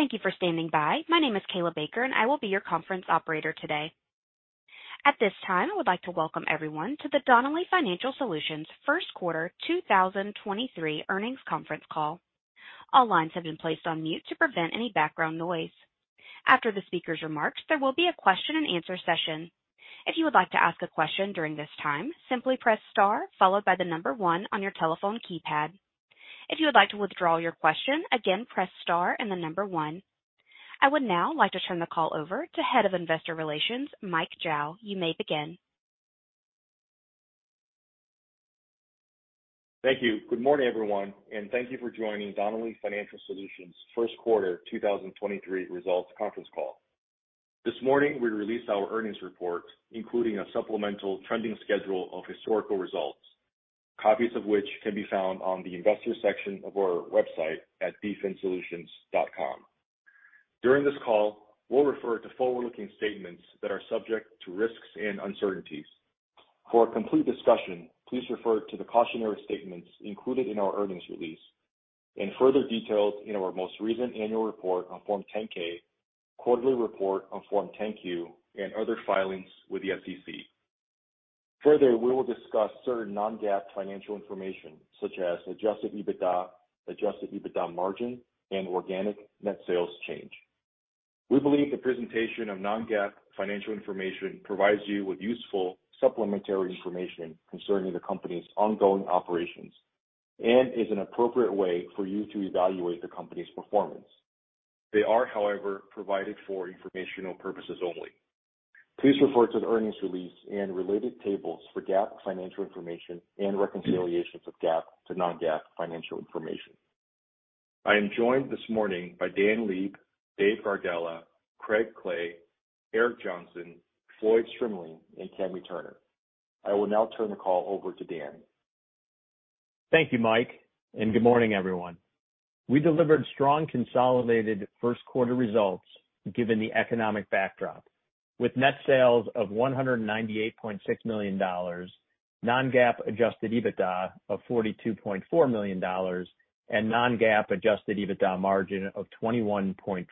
Thank you for standing by. My name is Kayla Baker, and I will be your conference operator today. At this time, I would like to welcome everyone to the Donnelley Financial Solutions first quarter 2023 earnings conference call. All lines have been placed on mute to prevent any background noise. After the speaker's remarks, there will be a question-and-answer session. If you would like to ask a question during this time, simply press star followed by the one on your telephone keypad. If you would like to withdraw your question, again, press star and the one. I would now like to turn the call over to Head of Investor Relations, Mike Zhao. You may begin. Thank you. Good morning, everyone, and thank you for joining Donnelley Financial Solutions first quarter 2023 results conference call. This morning, we released our earnings report, including a supplemental trending schedule of historical results, copies of which can be found on the investor section of our website at dfinsolutions.com. During this call, we'll refer to forward-looking statements that are subject to risks and uncertainties. For a complete discussion, please refer to the cautionary statements included in our earnings release and further details in our most recent annual report on Form 10-K, quarterly report on Form 10-Q, and other filings with the SEC. Further, we will discuss certain non-GAAP financial information such as adjusted EBITDA, adjusted EBITDA margin, and organic net sales change. We believe the presentation of non-GAAP financial information provides you with useful supplementary information concerning the company's ongoing operations and is an appropriate way for you to evaluate the company's performance. They are, however, provided for informational purposes only. Please refer to the earnings release and related tables for GAAP financial information and reconciliations of GAAP to non-GAAP financial information. I am joined this morning by Dan Leib, Dave Gardella, Craig Clay, Eric Johnson, Floyd Strimling, and Kami Turner. I will now turn the call over to Dan. Thank you, Mike. Good morning, everyone. We delivered strong consolidated first quarter results given the economic backdrop, with net sales of $198.6 million, non-GAAP adjusted EBITDA of $42.4 million, and non-GAAP adjusted EBITDA margin of 21.3%.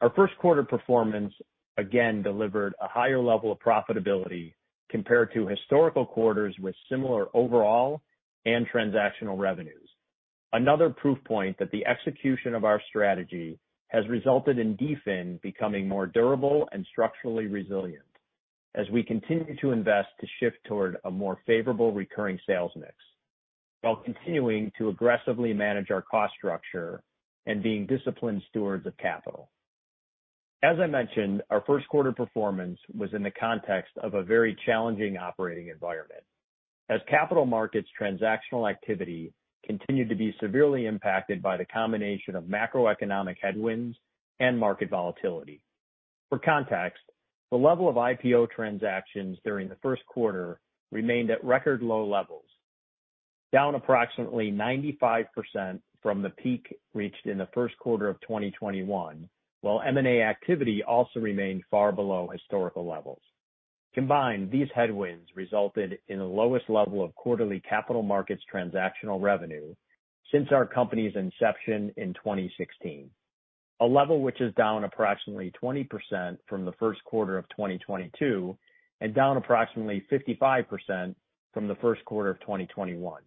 Our first quarter performance again delivered a higher level of profitability compared to historical quarters with similar overall and transactional revenues. Another proof point that the execution of our strategy has resulted in DFIN becoming more durable and structurally resilient as we continue to invest to shift toward a more favorable recurring sales mix while continuing to aggressively manage our cost structure and being disciplined stewards of capital. As I mentioned, our first quarter performance was in the context of a very challenging operating environment as capital markets transactional activity continued to be severely impacted by the combination of macroeconomic headwinds and market volatility. For context, the level of IPO transactions during the first quarter remained at record low levels, down approximately 95% from the peak reached in the first quarter of 2021, while M&A activity also remained far below historical levels. Combined, these headwinds resulted in the lowest level of quarterly capital markets transactional revenue since our company's inception in 2016. A level which is down approximately 20% from the first quarter of 2022 and down approximately 55% from the first quarter of 2021.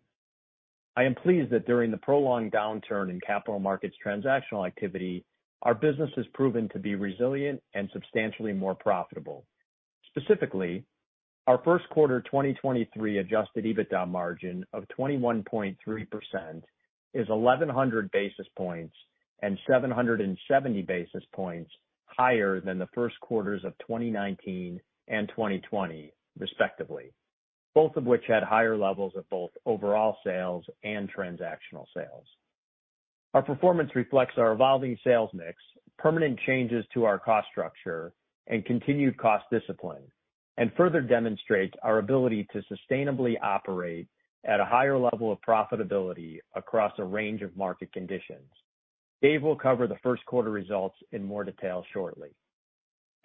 I am pleased that during the prolonged downturn in capital markets transactional activity, our business has proven to be resilient and substantially more profitable. Specifically, our first-quarter 2023 adjusted EBITDA margin of 21.3% is 1,100 basis points and 770 basis points higher than the first quarters of 2019 and 2020 respectively, both of which had higher levels of both overall sales and transactional sales. Our performance reflects our evolving sales mix, permanent changes to our cost structure, and continued cost discipline, and further demonstrates our ability to sustainably operate at a higher level of profitability across a range of market conditions. Dave will cover the first quarter results in more detail shortly.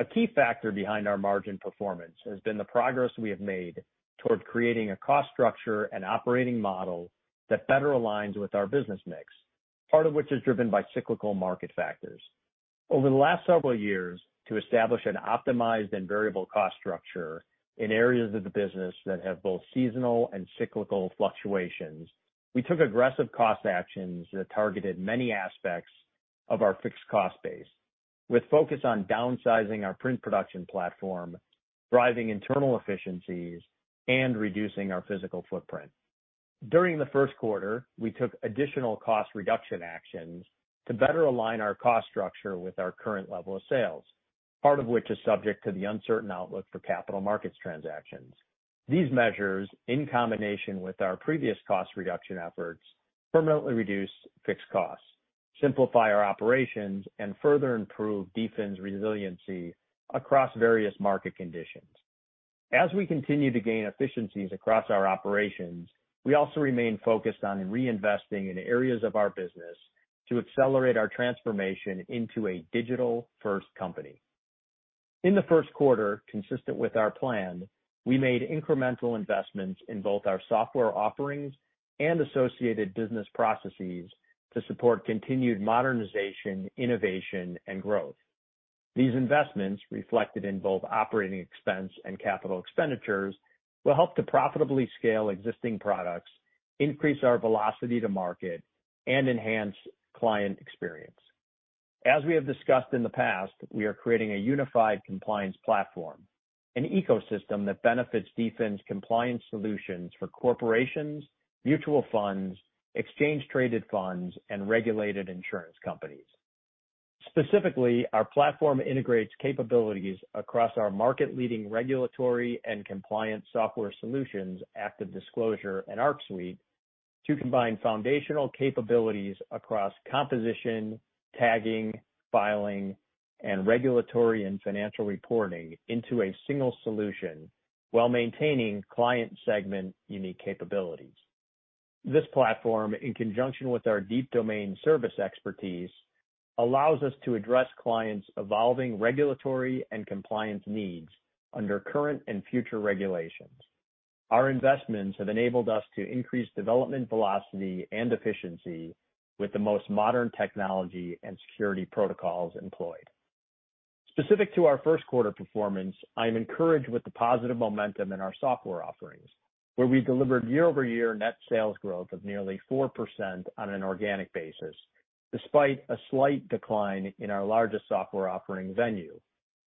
A key factor behind our margin performance has been the progress we have made toward creating a cost structure and operating model that better aligns with our business mix, part of which is driven by cyclical market factors. Over the last several years to establish an optimized and variable cost structure in areas of the business that have both seasonal and cyclical fluctuations, we took aggressive cost actions that targeted many aspects of our fixed cost base, with focus on downsizing our print production platform, driving internal efficiencies, and reducing our physical footprint. During the first quarter, we took additional cost reduction actions to better align our cost structure with our current level of sales, part of which is subject to the uncertain outlook for capital markets transactions. These measures, in combination with our previous cost reduction efforts, permanently reduce fixed costs, simplify our operations, and further improve DFIN's resiliency across various market conditions. As we continue to gain efficiencies across our operations, we also remain focused on reinvesting in areas of our business to accelerate our transformation into a digital-first company. In the first quarter, consistent with our plan, we made incremental investments in both our software offerings and associated business processes to support continued modernization, innovation, and growth. These investments, reflected in both operating expense and capital expenditures, will help to profitably scale existing products, increase our velocity to market, and enhance client experience. As we have discussed in the past, we are creating a unified compliance platform, an ecosystem that benefits DFIN's compliance solutions for corporations, mutual funds, exchange traded funds, and regulated insurance companies. Specifically, our platform integrates capabilities across our market-leading regulatory and compliance software solutions, ActiveDisclosure and Arc Suite, to combine foundational capabilities across composition, tagging, filing, and regulatory and financial reporting into a single solution while maintaining client segment unique capabilities. This platform, in conjunction with our deep domain service expertise, allows us to address clients' evolving regulatory and compliance needs under current and future regulations. Our investments have enabled us to increase development velocity and efficiency with the most modern technology and security protocols employed. Specific to our first quarter performance, I am encouraged with the positive momentum in our software offerings, where we delivered year-over-year net sales growth of nearly 4% on an organic basis, despite a slight decline in our largest software offering, Venue.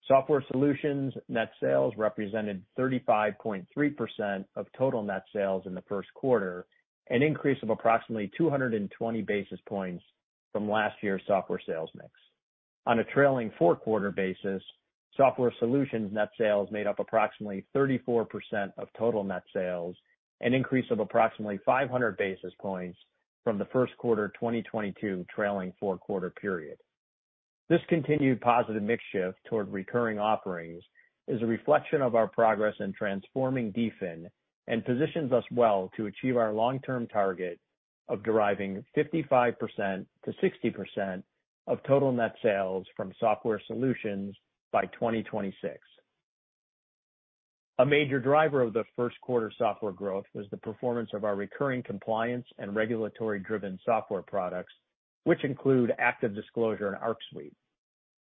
Software Solutions net sales represented 35.3% of total net sales in the first quarter, an increase of approximately 220 basis points from last year's software sales mix. On a trailing four-quarter basis, Software Solutions net sales made up approximately 34% of total net sales, an increase of approximately 500 basis points from the first quarter 2022 trailing four-quarter period. This continued positive mix shift toward recurring offerings is a reflection of our progress in transforming DFIN and positions us well to achieve our long-term target of deriving 55%-60% of total net sales from Software Solutions by 2026. A major driver of the first quarter software growth was the performance of our recurring compliance and regulatory-driven software products, which include ActiveDisclosure and Arc Suite.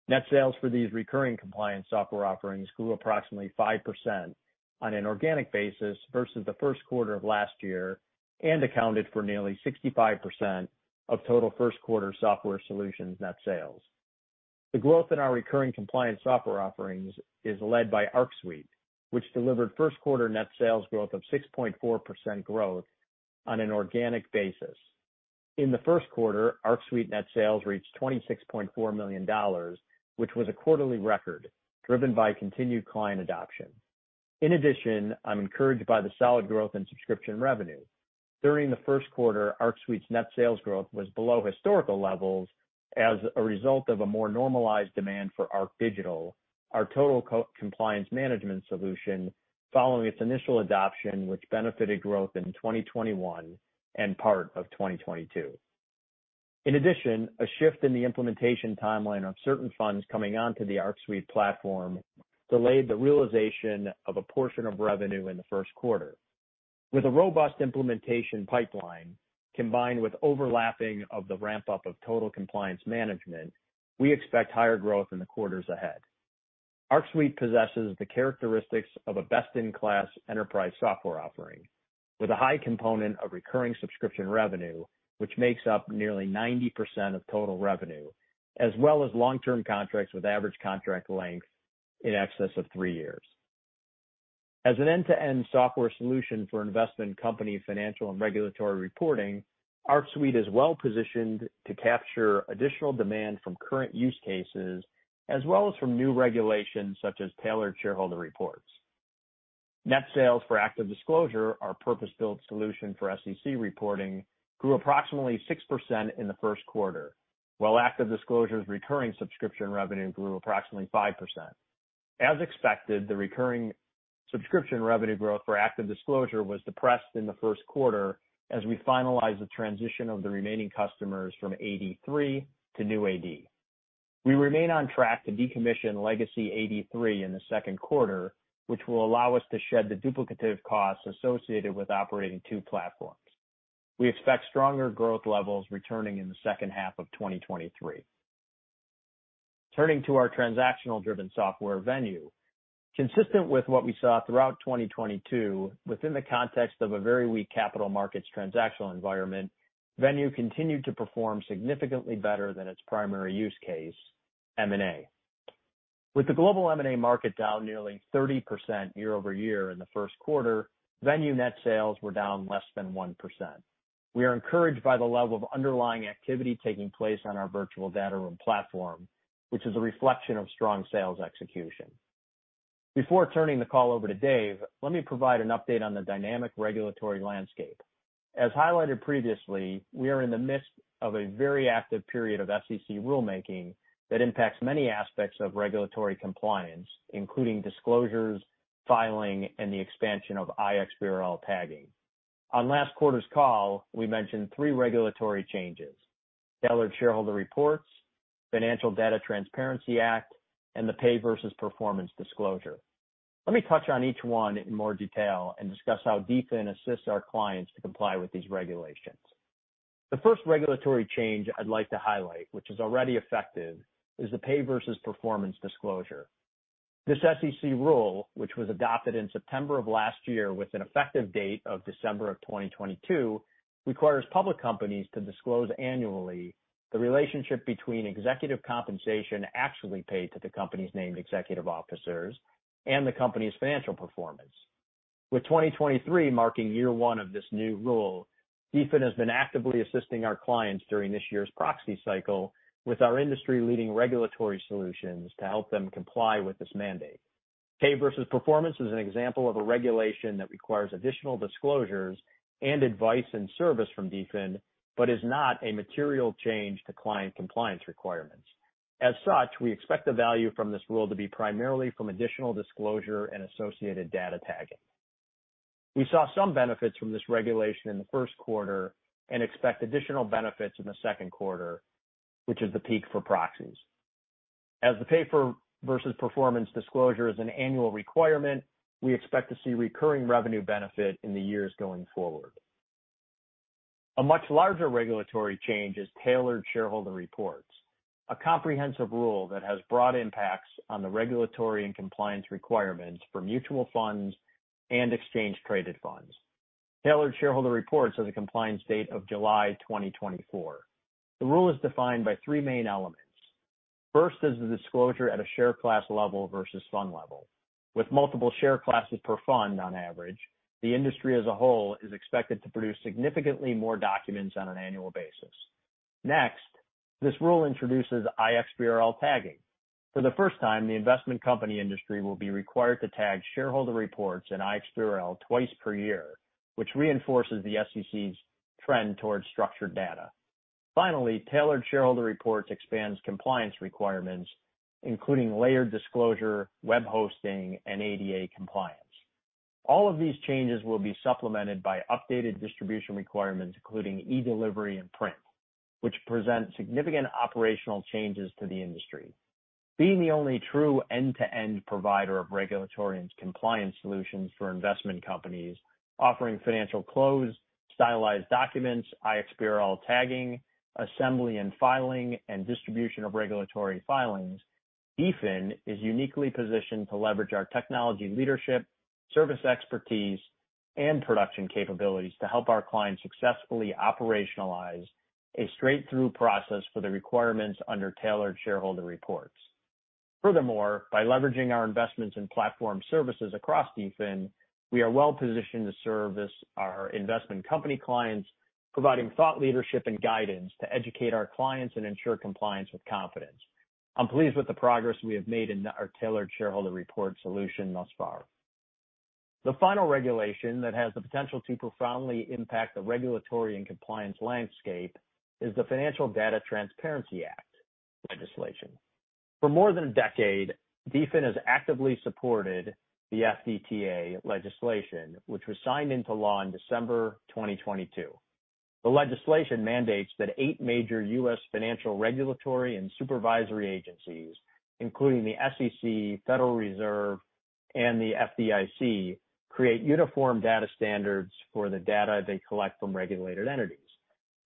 Net sales for these recurring compliance software offerings grew approximately 5% on an organic basis versus the first quarter of last year and accounted for nearly 65% of total first quarter Software Solutions net sales. The growth in our recurring compliance software offerings is led by Arc Suite, which delivered first quarter net sales growth of 6.4% on an organic basis. In the first quarter, Arc Suite net sales reached $26.4 million, which was a quarterly record driven by continued client adoption. I'm encouraged by the solid growth in subscription revenue. During the first quarter, Arc Suite's net sales growth was below historical levels as a result of a more normalized demand for ArcDigital, our total co-compliance management solution, following its initial adoption, which benefited growth in 2021 and part of 2022. In addition, a shift in the implementation timeline of certain funds coming onto the Arc Suite platform delayed the realization of a portion of revenue in the first quarter. With a robust implementation pipeline combined with overlapping of the ramp-up of Total Compliance Management, we expect higher growth in the quarters ahead. Arc Suite possesses the characteristics of a best-in-class enterprise software offering with a high component of recurring subscription revenue, which makes up nearly 90% of total revenue, as well as long-term contracts with average contract length in excess of three years. As an end-to-end software solution for investment company financial and regulatory reporting, Arc Suite is well-positioned to capture additional demand from current use cases as well as from new regulations such as Tailored Shareholder Reports. Net sales for ActiveDisclosure, our purpose-built solution for SEC reporting, grew approximately 6% in the first quarter, while ActiveDisclosure's recurring subscription revenue grew approximately 5%. As expected, the recurring subscription revenue growth for ActiveDisclosure was depressed in the first quarter as we finalized the transition of the remaining customers from AD3 to New AD. We remain on track to decommission legacy AD3 in the second quarter, which will allow us to shed the duplicative costs associated with operating two platforms. We expect stronger growth levels returning in the second half of 2023. Turning to our transactional-driven software Venue. Consistent with what we saw throughout 2022, within the context of a very weak capital markets transactional environment, Venue continued to perform significantly better than its primary use case, M&A. With the global M&A market down nearly 30% year-over-year in the first quarter, Venue net sales were down less than 1%. We are encouraged by the level of underlying activity taking place on our virtual data room platform, which is a reflection of strong sales execution. Before turning the call over to Dave, let me provide an update on the dynamic regulatory landscape. As highlighted previously, we are in the midst of a very active period of SEC rulemaking that impacts many aspects of regulatory compliance, including disclosures, filing, and the expansion of iXBRL tagging. On last quarter's call, we mentioned three regulatory changes. Tailored Shareholder Reports, Financial Data Transparency Act, and the Pay Versus Performance disclosure. Let me touch on each one in more detail and discuss how DFIN assists our clients to comply with these regulations. The first regulatory change I'd like to highlight, which is already effective, is the Pay Versus Performance disclosure. This SEC rule, which was adopted in September of last year with an effective date of December of 2022, requires public companies to disclose annually the relationship between executive compensation actually paid to the company's named executive officers and the company's financial performance. With 2023 marking year one of this new rule, DFIN has been actively assisting our clients during this year's proxy cycle with our industry-leading regulatory solutions to help them comply with this mandate. Pay Versus Performance is an example of a regulation that requires additional disclosures and advice and service from DFIN, but is not a material change to client compliance requirements. As such, we expect the value from this rule to be primarily from additional disclosure and associated data tagging. We saw some benefits from this regulation in the first quarter and expect additional benefits in the second quarter, which is the peak for proxies. As the Pay Versus Performance disclosure is an annual requirement, we expect to see recurring revenue benefit in the years going forward. A much larger regulatory change is Tailored Shareholder Reports, a comprehensive rule that has broad impacts on the regulatory and compliance requirements for mutual funds and exchange traded funds. Tailored Shareholder Reports has a compliance date of July 2024. The rule is defined by three main elements. First is the disclosure at a share class level versus fund level. With multiple share classes per fund on average, the industry as a whole is expected to produce significantly more documents on an annual basis. Next, this rule introduces iXBRL tagging. For the first time, the investment company industry will be required to tag shareholder reports in iXBRL twice per year, which reinforces the SEC's trend towards structured data. Finally, Tailored Shareholder Reports expands compliance requirements, including layered disclosure, web hosting, and ADA compliance. All of these changes will be supplemented by updated distribution requirements, including e-delivery and print, which present significant operational changes to the industry. Being the only true end-to-end provider of regulatory and compliance solutions for investment companies, offering financial close, stylized documents, iXBRL tagging, assembly and filing, and distribution of regulatory filings, DFIN is uniquely positioned to leverage our technology leadership, service expertise, and production capabilities to help our clients successfully operationalize a straight-through process for the requirements under Tailored Shareholder Reports. Furthermore, by leveraging our investments in platform services across DFIN, we are well-positioned to service our investment company clients, providing thought leadership and guidance to educate our clients and ensure compliance with confidence. I'm pleased with the progress we have made in our Tailored Shareholder Reports solution thus far. The final regulation that has the potential to profoundly impact the regulatory and compliance landscape is the Financial Data Transparency Act legislation. For more than a decade, DFIN has actively supported the FDTA legislation, which was signed into law in December 2022. The legislation mandates that eight major U.S. financial regulatory and supervisory agencies, including the SEC, Federal Reserve, and the FDIC, create uniform data standards for the data they collect from regulated entities.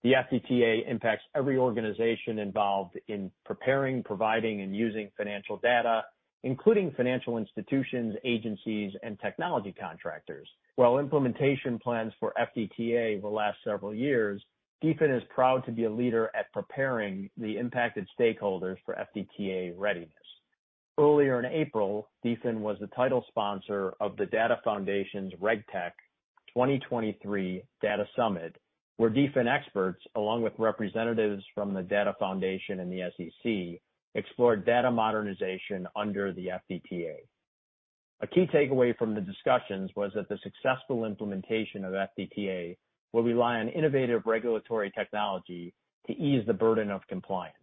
The FDTA impacts every organization involved in preparing, providing, and using financial data, including financial institutions, agencies, and technology contractors. While implementation plans for FDTA will last several years, DFIN is proud to be a leader at preparing the impacted stakeholders for FDTA readiness. Earlier in April, DFIN was the title sponsor of the Data Foundation's RegTech 2023 Data Summit, where DFIN experts, along with representatives from the Data Foundation and the SEC, explored data modernization under the FDTA. A key takeaway from the discussions was that the successful implementation of FDTA will rely on innovative regulatory technology to ease the burden of compliance.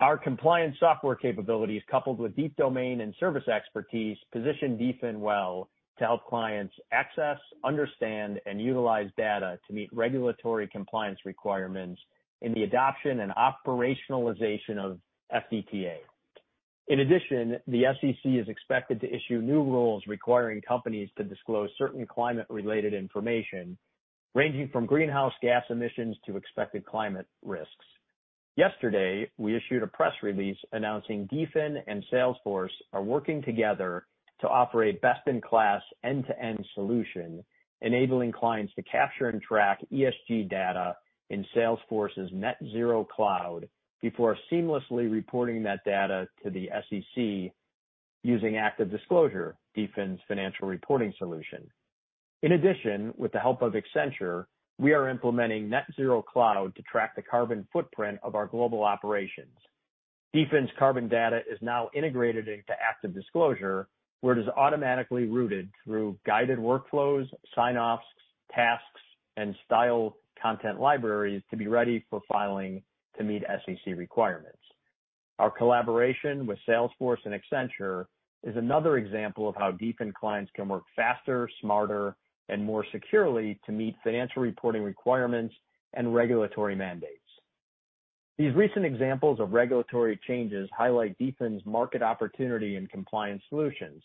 Our compliance software capabilities, coupled with deep domain and service expertise, position DFIN well to help clients access, understand, and utilize data to meet regulatory compliance requirements in the adoption and operationalization of FDTA. In addition, the SEC is expected to issue new rules requiring companies to disclose certain climate-related information, ranging from greenhouse gas emissions to expected climate risks. Yesterday, we issued a press release announcing DFIN and Salesforce are working together to offer a best-in-class end-to-end solution, enabling clients to capture and track ESG data in Salesforce's Net Zero Cloud before seamlessly reporting that data to the SEC using ActiveDisclosure, DFIN's financial reporting solution. In addition, with the help of Accenture, we are implementing Net Zero Cloud to track the carbon footprint of our global operations. DFIN's carbon data is now integrated into ActiveDisclosure, where it is automatically routed through guided workflows, sign-offs, tasks, and style content libraries to be ready for filing to meet SEC requirements. Our collaboration with Salesforce and Accenture is another example of how DFIN clients can work faster, smarter, and more securely to meet financial reporting requirements and regulatory mandates. These recent examples of regulatory changes highlight DFIN's market opportunity and compliance solutions,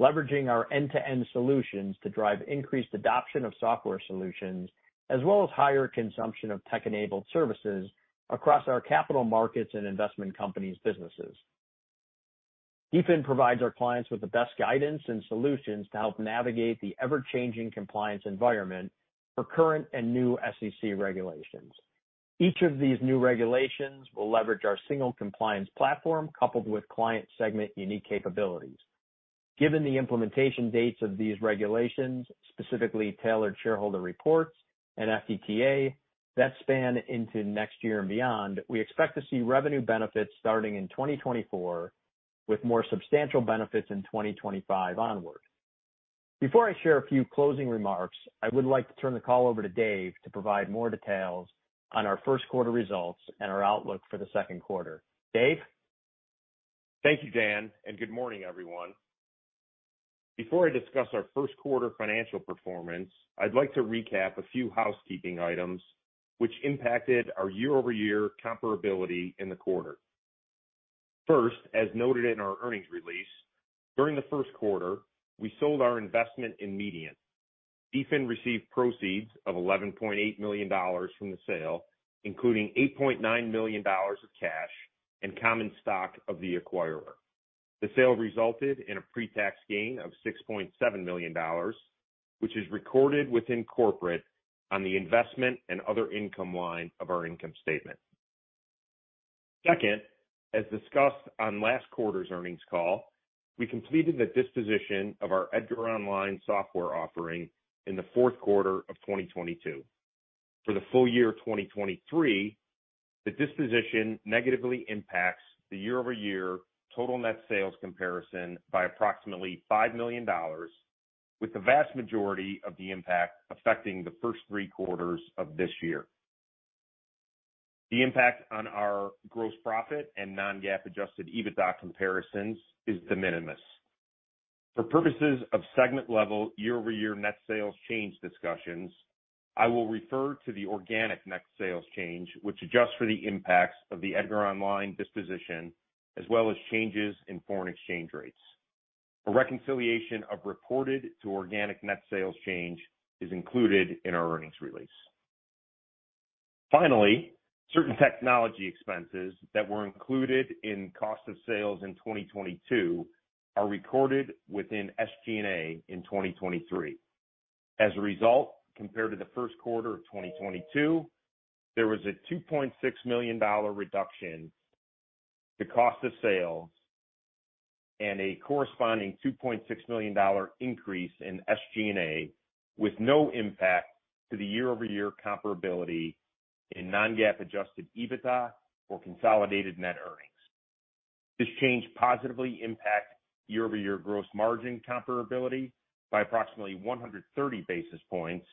leveraging our end-to-end solutions to drive increased adoption of software solutions as well as higher consumption of tech-enabled services across our capital markets and investment companies businesses. DFIN provides our clients with the best guidance and solutions to help navigate the ever-changing compliance environment for current and new SEC regulations. Each of these new regulations will leverage our single compliance platform coupled with client segment unique capabilities. Given the implementation dates of these regulations, specifically Tailored Shareholder Reports and FDTA, that span into next year and beyond, we expect to see revenue benefits starting in 2024, with more substantial benefits in 2025 onward. Before I share a few closing remarks, I would like to turn the call over to Dave to provide more details on our first quarter results and our outlook for the second quarter. Dave? Thank you, Dan, and good morning, everyone. Before I discuss our first quarter financial performance, I'd like to recap a few housekeeping items which impacted our year-over-year comparability in the quarter. First, as noted in our earnings release, during the first quarter, we sold our investment in Mediant. DFIN received proceeds of $11.8 million from the sale, including $8.9 million of cash and common stock of the acquirer. The sale resulted in a pre-tax gain of $6.7 million, which is recorded within corporate on the investment and other income line of our income statement. Second, as discussed on last quarter's earnings call, we completed the disposition of our EDGAR Online software offering in the fourth quarter of 2022. For the full year 2023, the disposition negatively impacts the year-over-year total net sales comparison by approximately $5 million, with the vast majority of the impact affecting the first three quarters of this year. The impact on our gross profit and non-GAAP adjusted EBITDA comparisons is de minimis. For purposes of segment-level year-over-year net sales change discussions, I will refer to the organic net sales change, which adjusts for the impacts of the EDGAR Online disposition, as well as changes in foreign exchange rates. A reconciliation of reported to organic net sales change is included in our earnings release. Finally, certain technology expenses that were included in cost of sales in 2022 are recorded within SG&A in 2023. As a result, compared to the first quarter of 2022, there was a $2.6 million reduction to cost of sales and a corresponding $2.6 million increase in SG&A with no impact to the year-over-year comparability in non-GAAP adjusted EBITDA or consolidated net earnings. This change positively impact year-over-year gross margin comparability by approximately 130 basis points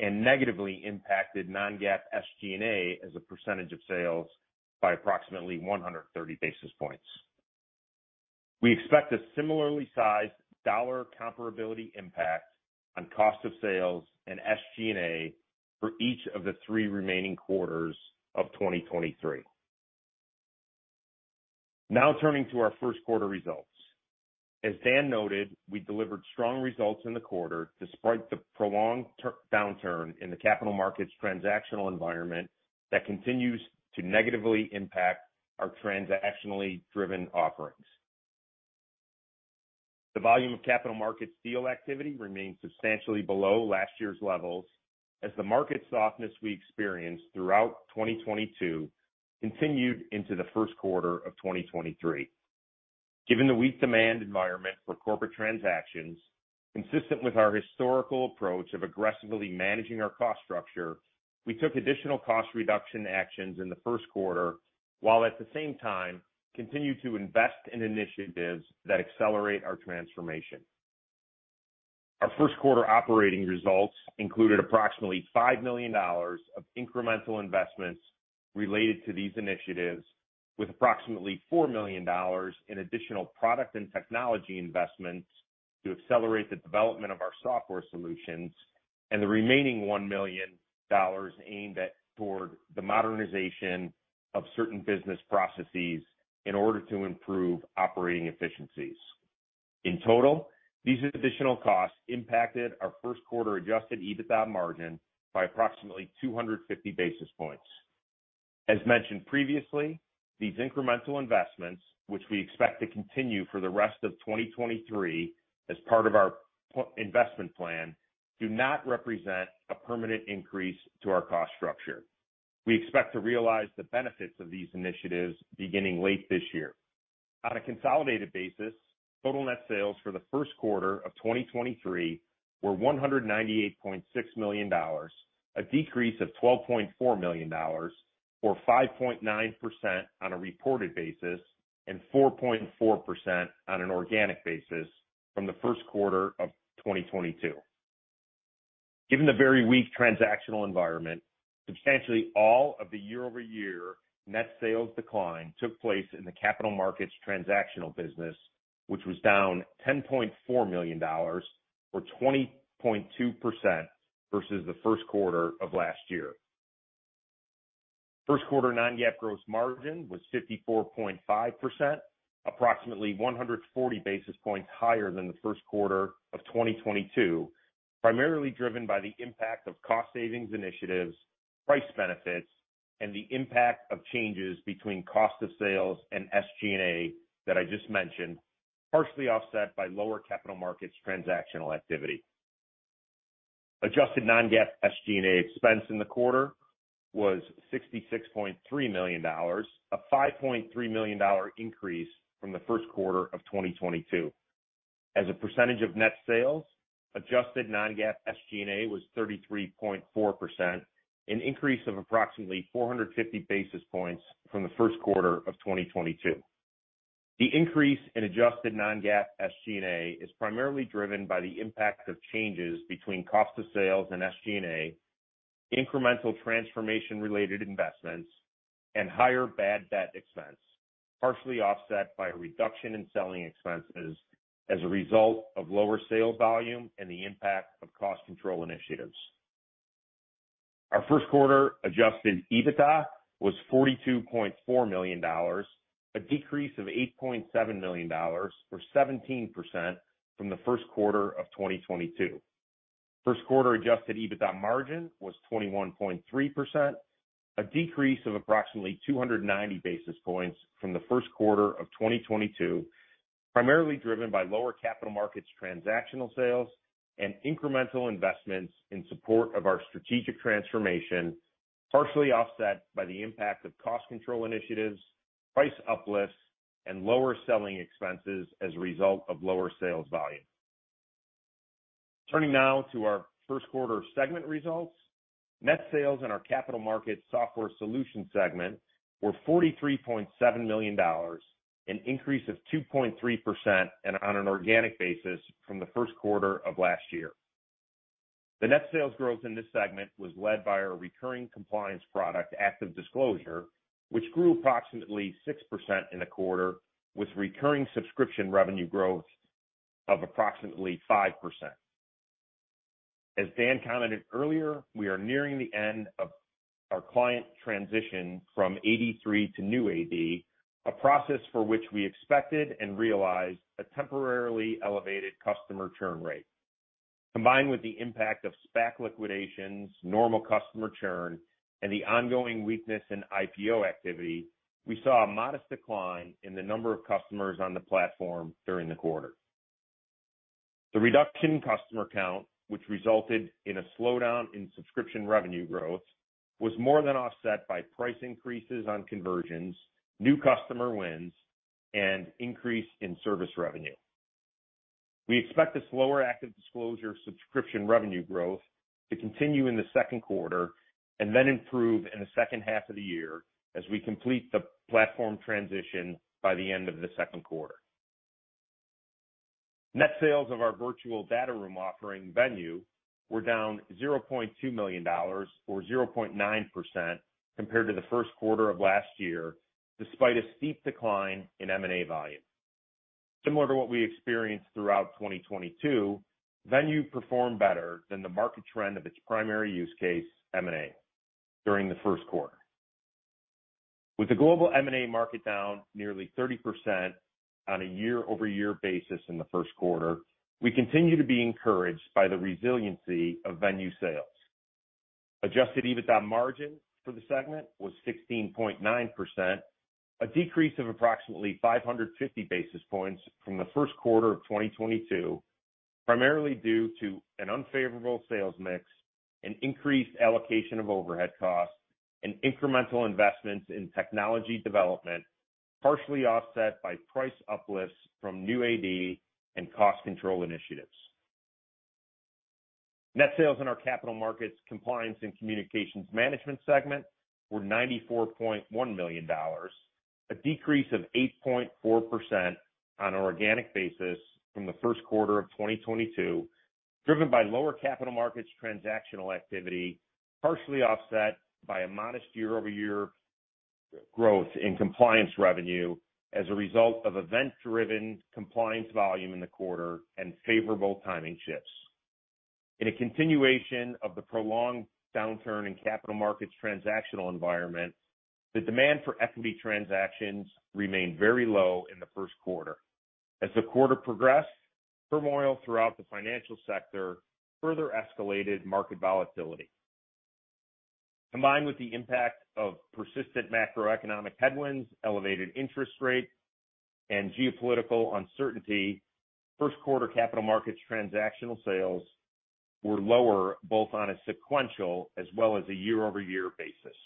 and negatively impacted non-GAAP SG&A as a percentage of sales by approximately 130 basis points. We expect a similarly sized dollar comparability impact on cost of sales and SG&A for each of the three remaining quarters of 2023. Now turning to our first quarter results. As Dan noted, we delivered strong results in the quarter despite the prolonged downturn in the capital markets transactional environment that continues to negatively impact our transactionally driven offerings. The volume of capital markets deal activity remains substantially below last year's levels as the market softness we experienced throughout 2022 continued into the first quarter of 2023. Given the weak demand environment for corporate transactions, consistent with our historical approach of aggressively managing our cost structure, we took additional cost reduction actions in the first quarter, while at the same time continued to invest in initiatives that accelerate our transformation. Our first quarter operating results included approximately $5 million of incremental investments related to these initiatives with approximately $4 million in additional product and technology investments to accelerate the development of our software solutions, and the remaining $1 million toward the modernization of certain business processes in order to improve operating efficiencies. In total, these additional costs impacted our first quarter adjusted EBITDA margin by approximately 250 basis points. As mentioned previously, these incremental investments, which we expect to continue for the rest of 2023 as part of our investment plan, do not represent a permanent increase to our cost structure. We expect to realize the benefits of these initiatives beginning late this year. On a consolidated basis, total net sales for the first quarter of 2023 were $198.6 million, a decrease of $12.4 million or 5.9% on a reported basis and 4.4% on an organic basis from the first quarter of 2022. Given the very weak transactional environment, substantially all of the year-over-year net sales decline took place in the capital markets transactional business, which was down $10.4 million or 20.2% versus the first quarter of last year. First quarter non-GAAP gross margin was 54.5%, approximately 140 basis points higher than the first quarter of 2022, primarily driven by the impact of cost savings initiatives, price benefits, and the impact of changes between cost of sales and SG&A that I just mentioned, partially offset by lower capital markets transactional activity. Adjusted non-GAAP SG&A expense in the quarter was $66.3 million, a $5.3 million increase from the first quarter of 2022. As a percentage of net sales, adjusted non-GAAP SG&A was 33.4%, an increase of approximately 450 basis points from the first quarter of 2022. The increase in adjusted non-GAAP SG&A is primarily driven by the impact of changes between cost of sales and SG&A, incremental transformation-related investments, and higher bad debt expense, partially offset by a reduction in selling expenses as a result of lower sales volume and the impact of cost control initiatives. Our first quarter adjusted EBITDA was $42.4 million, a decrease of $8.7 million or 17% from the first quarter of 2022. First quarter adjusted EBITDA margin was 21.3%, a decrease of approximately 290 basis points from the first quarter of 2022, primarily driven by lower capital markets transactional sales and incremental investments in support of our strategic transformation, partially offset by the impact of cost control initiatives, price uplifts, and lower selling expenses as a result of lower sales volume. Turning now to our first quarter segment results. Net sales in our capital market software solution segment were $43.7 million, an increase of 2.3% and on an organic basis from the first quarter of last year. The net sales growth in this segment was led by our recurring compliance product, ActiveDisclosure, which grew approximately 6% in the quarter, with recurring subscription revenue growth of approximately 5%. As Dan commented earlier, we are nearing the end of our client transition from AD3 to new AD, a process for which we expected and realized a temporarily elevated customer churn rate. Combined with the impact of SPAC liquidations, normal customer churn, and the ongoing weakness in IPO activity, we saw a modest decline in the number of customers on the platform during the quarter. The reduction in customer count, which resulted in a slowdown in subscription revenue growth, was more than offset by price increases on conversions, new customer wins, and increase in service revenue. We expect this lower ActiveDisclosure subscription revenue growth to continue in the second quarter and then improve in the second half of the year as we complete the platform transition by the end of the second quarter. Net sales of our virtual data room offering, Venue, were down $0.2 million or 0.9% compared to the first quarter of last year, despite a steep decline in M&A volume. Similar to what we experienced throughout 2022, Venue performed better than the market trend of its primary use case, M&A, during the first quarter. With the global M&A market down nearly 30% on a year-over-year basis in the first quarter, we continue to be encouraged by the resiliency of Venue sales. Adjusted EBITDA margin for the segment was 16.9%, a decrease of approximately 550 basis points from the first quarter of 2022, primarily due to an unfavorable sales mix, an increased allocation of overhead costs, and incremental investments in technology development, partially offset by price uplifts from new AD and cost control initiatives. Net sales in our capital markets compliance and communications management segment were $94.1 million, a decrease of 8.4% on an organic basis from the first quarter of 2022, driven by lower capital markets transactional activity, partially offset by a modest year-over-year growth in compliance revenue as a result of event-driven compliance volume in the quarter and favorable timing shifts. In a continuation of the prolonged downturn in capital markets transactional environment, the demand for equity transactions remained very low in the first quarter. As the quarter progressed, turmoil throughout the financial sector further escalated market volatility. Combined with the impact of persistent macroeconomic headwinds, elevated interest rates, and geopolitical uncertainty, first quarter capital markets transactional sales were lower both on a sequential as well as a year-over-year basis.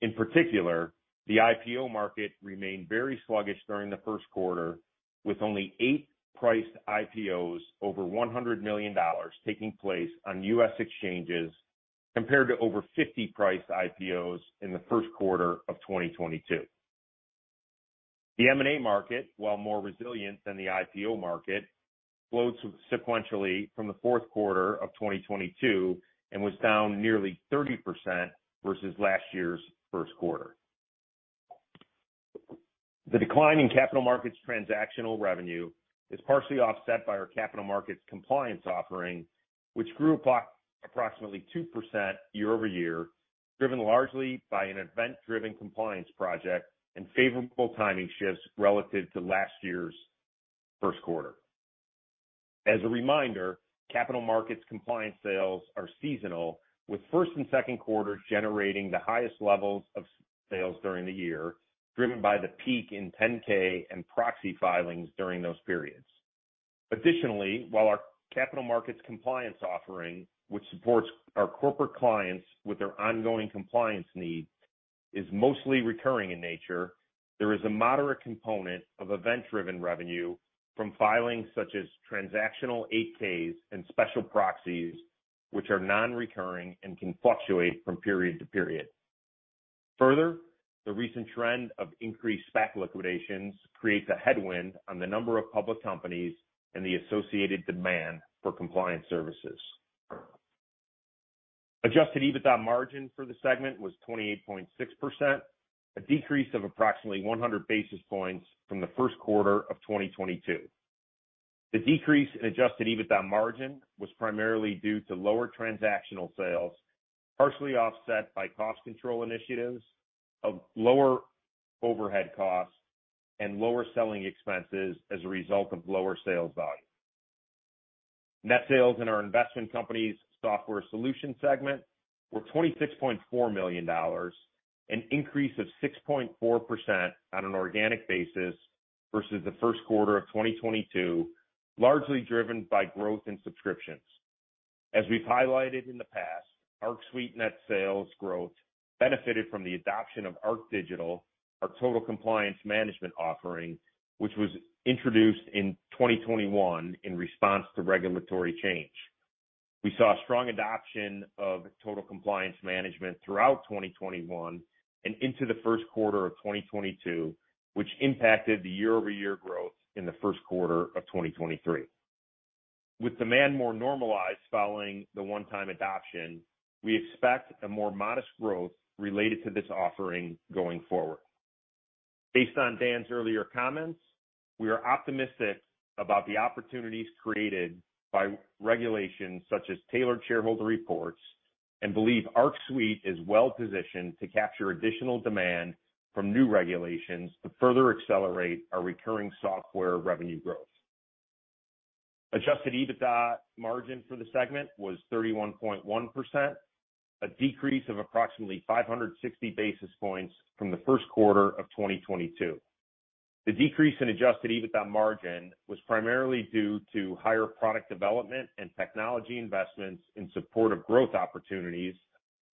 In particular, the IPO market remained very sluggish during the first quarter, with only eight priced IPOs over $100 million taking place on U.S. exchanges, compared to over 50 priced IPOs in the first quarter of 2022. The M&A market, while more resilient than the IPO market, slowed sequentially from the fourth quarter of 2022 and was down nearly 30% versus last year's first quarter. The decline in capital markets transactional revenue is partially offset by our capital markets compliance offering, which grew approximately 2% year-over-year, driven largely by an event-driven compliance project and favorable timing shifts relative to last year's first quarter. As a reminder, capital markets compliance sales are seasonal, with first and second quarters generating the highest levels of sales during the year, driven by the peak in 10-K and proxy filings during those periods. Additionally, while our capital markets compliance offering, which supports our corporate clients with their ongoing compliance needs, is mostly recurring in nature, there is a moderate component of event-driven revenue from filings such as transactional 8-Ks and special proxies, which are non-recurring and can fluctuate from period to period. The recent trend of increased SPAC liquidations creates a headwind on the number of public companies and the associated demand for compliance services. adjusted EBITDA margin for the segment was 28.6%, a decrease of approximately 100 basis points from the first quarter of 2022. The decrease in adjusted EBITDA margin was primarily due to lower transactional sales, partially offset by cost control initiatives of lower overhead costs and lower selling expenses as a result of lower sales volume. Net sales in our investment company's software solution segment were $26.4 million, an increase of 6.4% on an organic basis versus the first quarter of 2022, largely driven by growth in subscriptions. As we've highlighted in the past, Arc Suite net sales growth benefited from the adoption of ArcDigital, our Total Compliance Management offering, which was introduced in 2021 in response to regulatory change. We saw strong adoption of Total Compliance Management throughout 2021 and into the first quarter of 2022, which impacted the year-over-year growth in the first quarter of 2023. With demand more normalized following the one-time adoption, we expect a more modest growth related to this offering going forward. Based on Dan's earlier comments, we are optimistic about the opportunities created by regulations such as Tailored Shareholder Reports and believe Arc Suite is well-positioned to capture additional demand from new regulations to further accelerate our recurring software revenue growth. Adjusted EBITDA margin for the segment was 31.1%, a decrease of approximately 560 basis points from the first quarter of 2022. The decrease in adjusted EBITDA margin was primarily due to higher product development and technology investments in support of growth opportunities,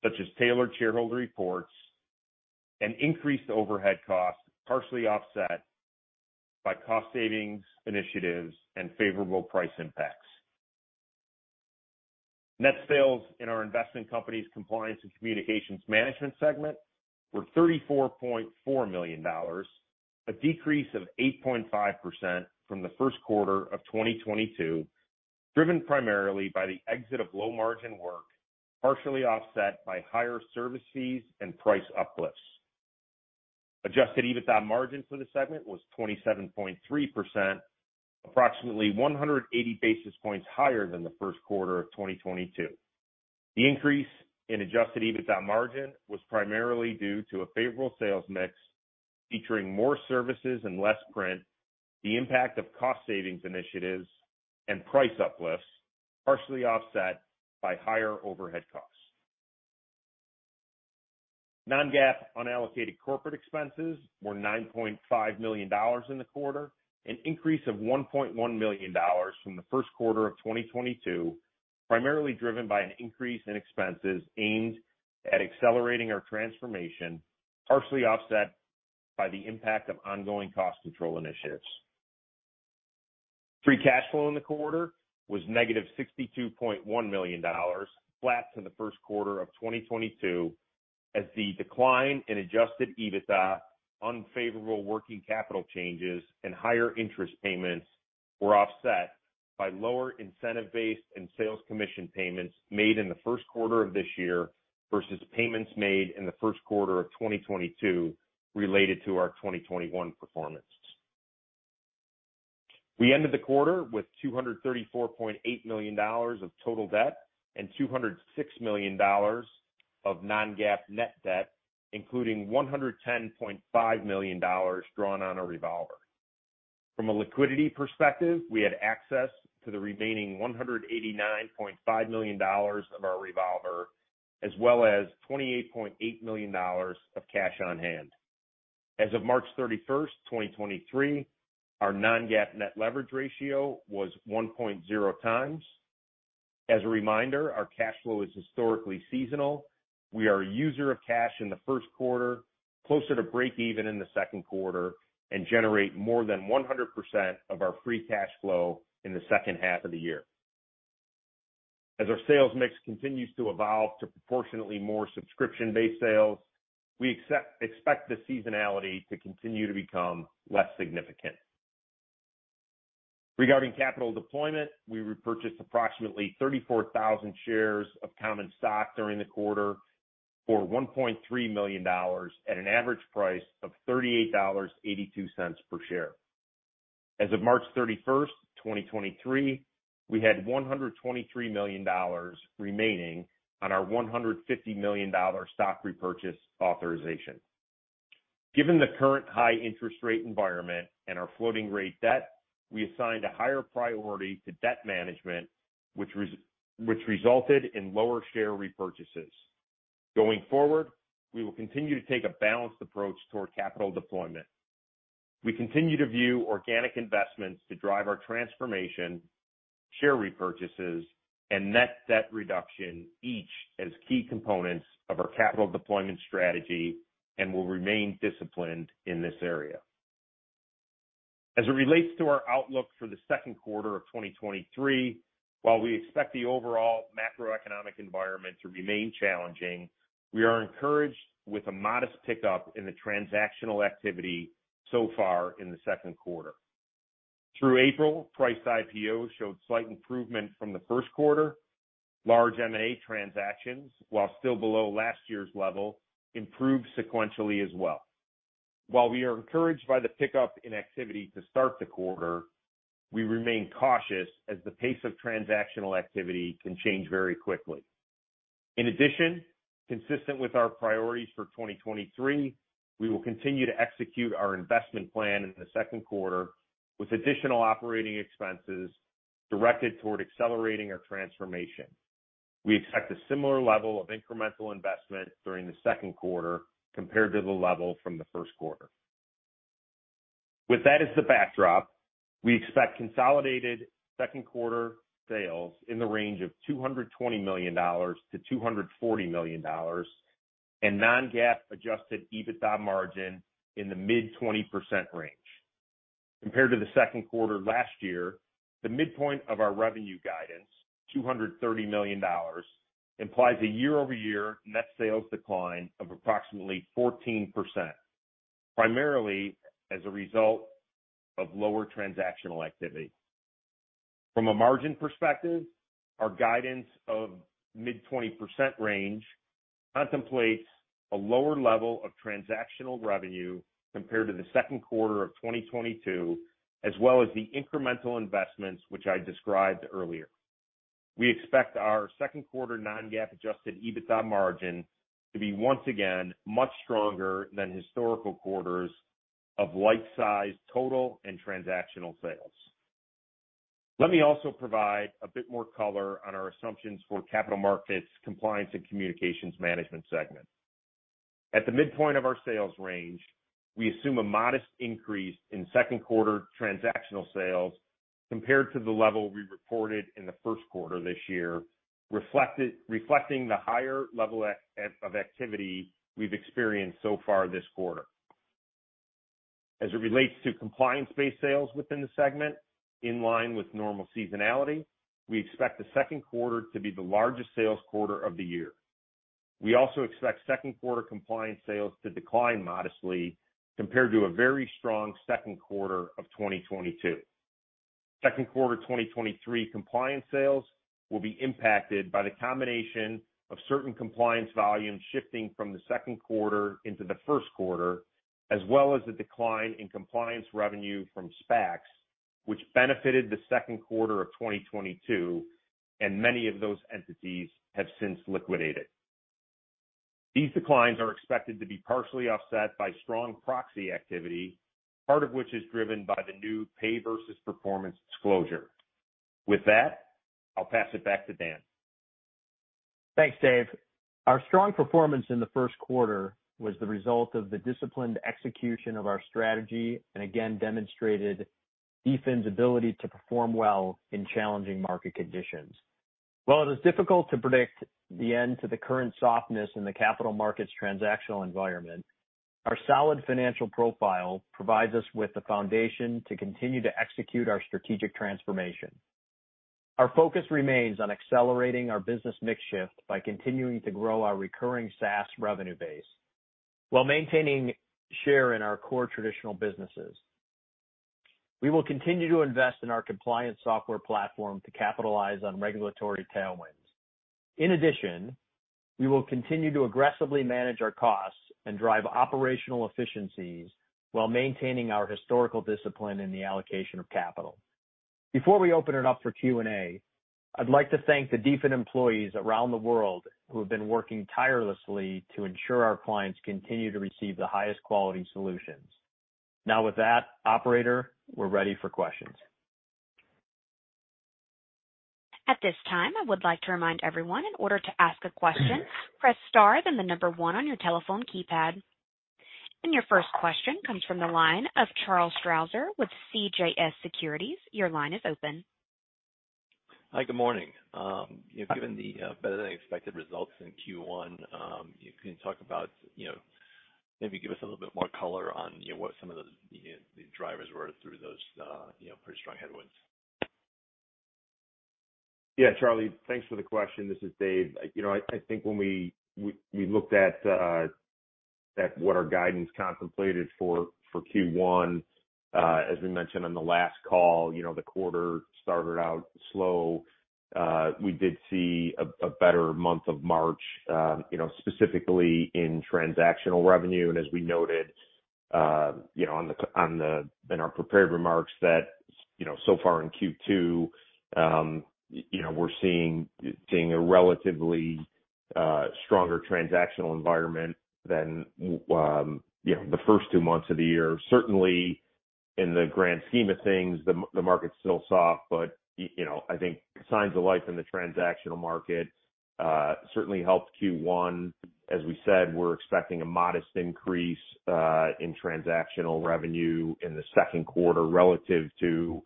such as Tailored Shareholder Reports and increased overhead costs, partially offset by cost savings initiatives and favorable price impacts. Net sales in our investment company's compliance and communications management segment were $34.4 million, a decrease of 8.5% from the first quarter of 2022, driven primarily by the exit of low-margin work, partially offset by higher service fees and price uplifts. Adjusted EBITDA margin for the segment was 27.3%, approximately 180 basis points higher than the first quarter of 2022. The increase in adjusted EBITDA margin was primarily due to a favorable sales mix featuring more services and less print, the impact of cost savings initiatives, and price uplifts, partially offset by higher overhead costs. Non-GAAP unallocated corporate expenses were $9.5 million in the quarter, an increase of $1.1 million from the first quarter of 2022, primarily driven by an increase in expenses aimed at accelerating our transformation, partially offset by the impact of ongoing cost control initiatives. Free cash flow in the quarter was -$62.1 million, flat to the first quarter of 2022, as the decline in adjusted EBITDA, unfavorable working capital changes, and higher interest payments were offset by lower incentive-based and sales commission payments made in the first quarter of this year versus payments made in the first quarter of 2022 related to our 2021 performance. We ended the quarter with $234.8 million of total debt and $206 million of non-GAAP net debt, including $110.5 million drawn on our revolver. From a liquidity perspective, we had access to the remaining $189.5 million of our revolver, as well as $28.8 million of cash on hand. As of March 31st, 2023, our non-GAAP net leverage ratio was 1.0x. As a reminder, our cash flow is historically seasonal. We are a user of cash in the first quarter, closer to breakeven in the second quarter, and generate more than 100% of our free cash flow in the second half of the year. As our sales mix continues to evolve to proportionately more subscription-based sales, we expect the seasonality to continue to become less significant. Regarding capital deployment, we repurchased approximately 34,000 shares of common stock during the quarter for $1.3 million at an average price of $38.82 per share. As of March 31st, 2023, we had $123 million remaining on our $150 million stock repurchase authorization. Given the current high interest rate environment and our floating rate debt, we assigned a higher priority to debt management, which resulted in lower share repurchases. Going forward, we will continue to take a balanced approach toward capital deployment. We continue to view organic investments to drive our transformation, share repurchases, and net debt reduction, each as key components of our capital deployment strategy and will remain disciplined in this area. As it relates to our outlook for the second quarter of 2023, while we expect the overall macroeconomic environment to remain challenging, we are encouraged with a modest pickup in the transactional activity so far in the second quarter. Through April, priced IPOs showed slight improvement from the first quarter. Large M&A transactions, while still below last year's level, improved sequentially as well. While we are encouraged by the pickup in activity to start the quarter, we remain cautious as the pace of transactional activity can change very quickly. In addition, consistent with our priorities for 2023, we will continue to execute our investment plan in the second quarter with additional operating expenses directed toward accelerating our transformation. We expect a similar level of incremental investment during the second quarter compared to the level from the first quarter. With that as the backdrop, we expect consolidated second quarter sales in the range of $220 million-$240 million and non-GAAP adjusted EBITDA margin in the mid-20% range. Compared to the second quarter last year, the midpoint of our revenue guidance, $230 million, implies a year-over-year net sales decline of approximately 14%, primarily as a result of lower transactional activity. From a margin perspective, our guidance of mid-20% range contemplates a lower level of transactional revenue compared to the second quarter of 2022, as well as the incremental investments which I described earlier. We expect our second quarter non-GAAP adjusted EBITDA margin to be once again much stronger than historical quarters of like-sized total and transactional sales. Let me also provide a bit more color on our assumptions for Capital Markets, Compliance and Communications Management segment. At the midpoint of our sales range, we assume a modest increase in second quarter transactional sales compared to the level we reported in the first quarter this year, reflecting the higher level of activity we've experienced so far this quarter. As it relates to compliance-based sales within the segment, in line with normal seasonality, we expect the second quarter to be the largest sales quarter of the year. We also expect second quarter compliance sales to decline modestly compared to a very strong second quarter of 2022. Second quarter 2023 compliance sales will be impacted by the combination of certain compliance volumes shifting from the second quarter into the first quarter, as well as the decline in compliance revenue from SPACs, which benefited the second quarter of 2022, and many of those entities have since liquidated. These declines are expected to be partially offset by strong proxy activity, part of which is driven by the new Pay Versus Performance disclosure. With that, I'll pass it back to Dan. Thanks, Dave. Our strong performance in the first quarter was the result of the disciplined execution of our strategy and again demonstrated DFIN's ability to perform well in challenging market conditions. While it is difficult to predict the end to the current softness in the capital markets transactional environment, our solid financial profile provides us with the foundation to continue to execute our strategic transformation. Our focus remains on accelerating our business mix shift by continuing to grow our recurring SaaS revenue base while maintaining share in our core traditional businesses. We will continue to invest in our compliance software platform to capitalize on regulatory tailwinds. We will continue to aggressively manage our costs and drive operational efficiencies while maintaining our historical discipline in the allocation of capital. Before we open it up for Q&A, I'd like to thank the DFIN employees around the world who have been working tirelessly to ensure our clients continue to receive the highest quality solutions. Now with that, Operator, we're ready for questions. At this time, I would like to remind everyone, in order to ask a question, press star then the number one on your telephone keypad. Your first question comes from the line of Charles Strauzer with CJS Securities. Your line is open. Hi. Good morning. given the better than expected results in Q1, can you talk about... Maybe give us a little bit more color on, you know, what some of the, you know, the drivers were through those, you know, pretty strong headwinds? Yeah, Charles, thanks for the question. This is Dave. You know, I think when we looked at what our guidance contemplated for Q1, as we mentioned on the last call, you know, the quarter started out slow. We did see a better month of March, you know, specifically in transactional revenue. As we noted, you know, in our prepared remarks that, you know, so far in Q2, you know, we're seeing a relatively stronger transactional environment than, you know, the first two months of the year. Certainly, in the grand scheme of things, the market's still soft, but you know, I think signs of life in the transactional market certainly helped Q1. As we said, we're expecting a modest increase, in transactional revenue in the second quarter relative to,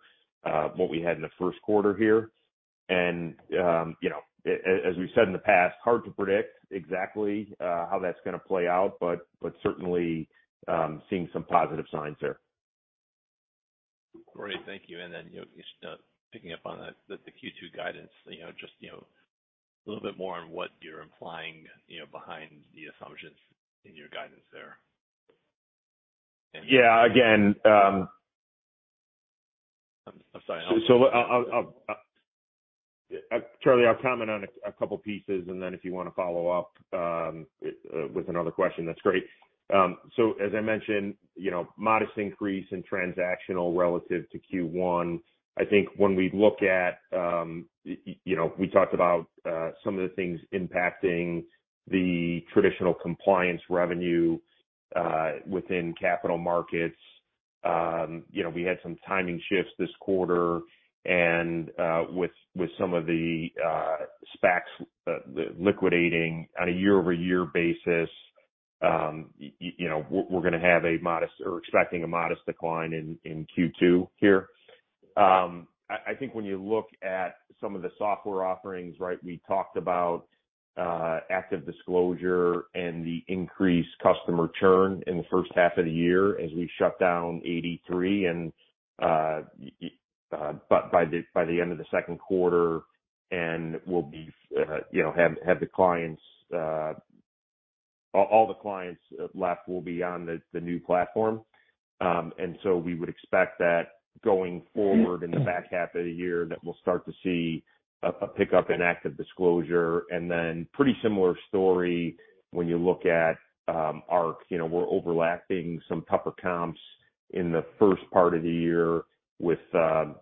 what we had in the first quarter here. You know, as we've said in the past, hard to predict exactly, how that's gonna play out, but certainly, seeing some positive signs there. Great. Thank you. You know, just, picking up on that, the Q2 guidance, you know, just, you know, a little bit more on what you're implying, you know, behind the assumptions in your guidance there. Yeah. Again. I'm sorry. I'll comment on a couple pieces, and then if you wanna follow up with another question, that's great. As I mentioned, you know, modest increase in transactional relative to Q1. I think when we look at, you know, we talked about some of the things impacting the traditional compliance revenue within capital markets. You know, we had some timing shifts this quarter. With some of the SPACs liquidating on a year-over-year basis, you know, we're gonna have a modest or expecting a modest decline in Q2 here. I think when you look at some of the software offerings, right? We talked about ActiveDisclosure and the increased customer churn in the first half of the year as we shut down AD3. By the end of the second quarter and we'll be, you know, have the clients. All the clients left will be on the new platform. We would expect that going forward in the back half of the year, that we'll start to see a pickup in ActiveDisclosure. Pretty similar story when you look at Arc. You know, we're overlapping some tougher comps in the first part of the year with,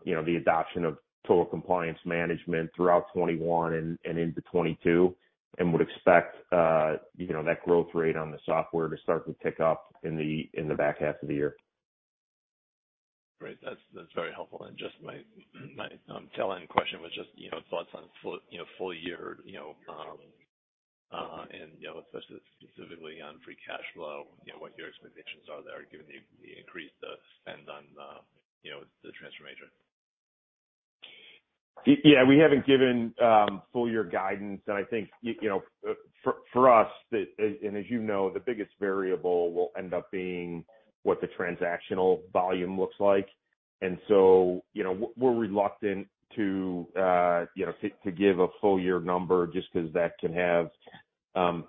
you know, the adoption of Total Compliance Management throughout 2021 and into 2022. Would expect, you know, that growth rate on the software to start to pick up in the back half of the year. Great. That's very helpful. Just my tail-end question was just, you know, thoughts on full year, you know, and, you know, especially specifically on free cash flow, you know, what your expectations are there, given the increased spend on, you know, the transformation. Yeah. We haven't given full year guidance. I think, you know, for us, as you know, the biggest variable will end up being what the transactional volume looks like. So, you know, we're reluctant to, you know, to give a full year number just 'cause that can have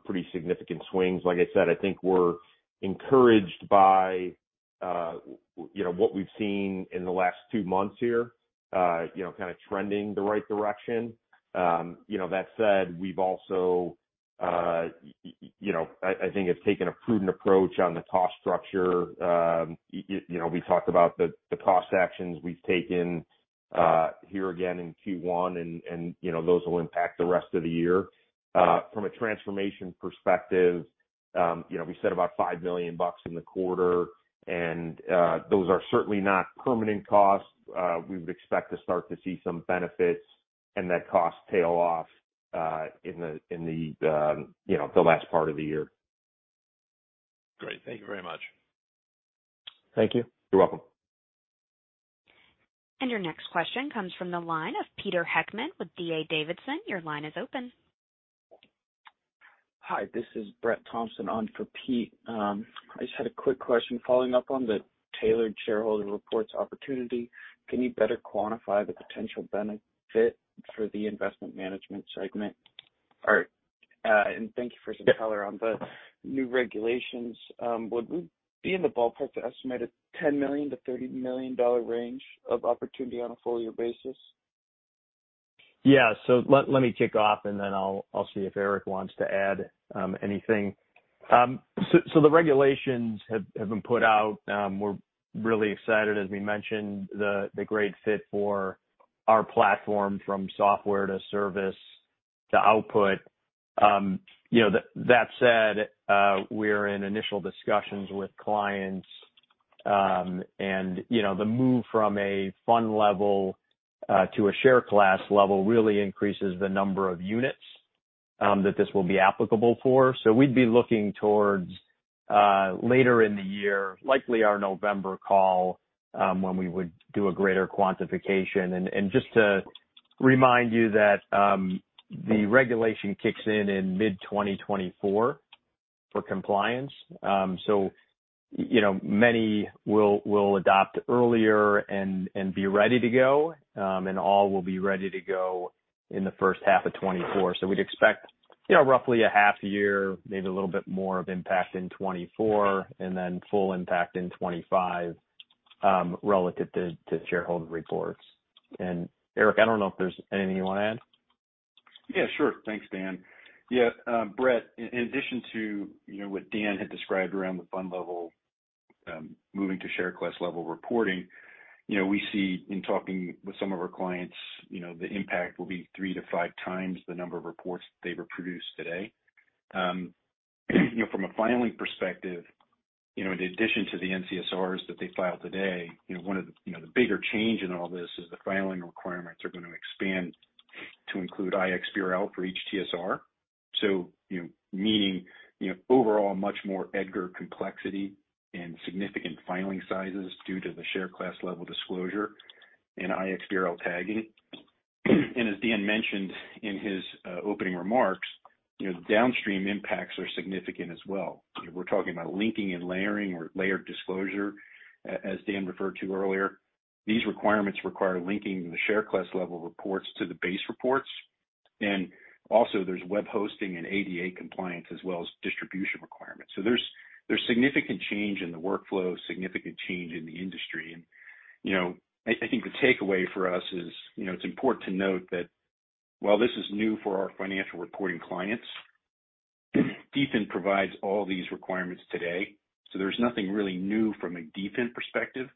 pretty significant swings. Like I said, I think we're encouraged by, you know, what we've seen in the last two months here, you know, kind of trending the right direction. You know, that said, we've also, you know, I think have taken a prudent approach on the cost structure. You know, we talked about the cost actions we've taken here again in Q1, and you know, those will impact the rest of the year. From a transformation perspective, you know, we said about $5 million in the quarter. Those are certainly not permanent costs. We would expect to start to see some benefits and that cost tail off in the, in the, you know, the last part of the year. Great. Thank you very much. Thank you. You're welcome. Your next question comes from the line of Peter Heckmann with D.A. Davidson. Your line is open. Hi, this is Brett Thompson on for Pete. I just had a quick question following up on the Tailored Shareholder Reports opportunity. Can you better quantify the potential benefit for the investment management segment? Thank you for some color on the new regulations. Would we be in the ballpark to estimate a $10 million-$30 million range of opportunity on a full year basis? Yeah. Let me kick off, and then I'll see if Eric wants to add anything. The regulations have been put out. We're really excited, as we mentioned, the great fit for our platform from software to service to output. You know, that said, we're in initial discussions with clients. You know, the move from a fund level to a share class level really increases the number of units that this will be applicable for. We'd be looking towards later in the year, likely our November call, when we would do a greater quantification. Just to remind you that the regulation kicks in in mid-2024 for compliance. You know, many will adopt earlier and be ready to go, and all will be ready to go in the first half of 2024. We'd expect, you know, roughly a half year, maybe a little bit more of impact in 2024 and then full impact in 2025, relative to shareholder reports. And Eric, I don't know if there's anything you want to add. Yeah, sure. Thanks, Dan. Yeah, Brett, in addition to, you know, what Dan had described around the fund level, moving to share class level reporting, you know, we see in talking with some of our clients, you know, the impact will be three to five times the number of reports they would produce today. From a filing perspective, you know, in addition to the N-CSRs that they file today, you know, one of the bigger change in all this is the filing requirements are gonna expand to include iXBRL for each TSR. Meaning, you know, overall much more EDGAR complexity and significant filing sizes due to the share class level disclosure and iXBRL tagging. As Dan mentioned in his opening remarks, you know, the downstream impacts are significant as well. We're talking about linking and layering or layered disclosure, as Dan referred to earlier. These requirements require linking the share class level reports to the base reports. Also there's web hosting and ADA compliance as well as distribution requirements. There's significant change in the workflow, significant change in the industry. You know, I think the takeaway for us is, you know, it's important to note that while this is new for our financial reporting clients, DFIN provides all these requirements today. There's nothing really new from a DFIN perspective.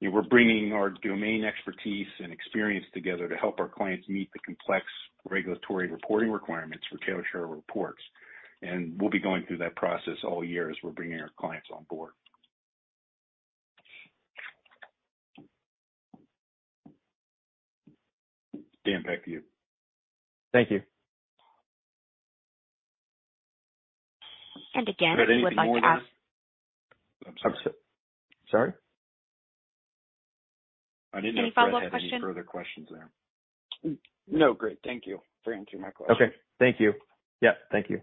We're bringing our domain expertise and experience together to help our clients meet the complex regulatory reporting requirements for Tailored Shareholder Reports. We'll be going through that process all year as we're bringing our clients on board. Dan, back to you. Thank you. Again, if you would like to. Is there anything more, Dan? I'm sorry. Sorry? I didn't know if Brett had any further questions there. Any follow-up questions? No, great. Thank you for answering my question. Okay. Thank you. Yeah, thank you.